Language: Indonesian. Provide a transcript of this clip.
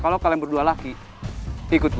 kalo kalian berdua laki ikut gua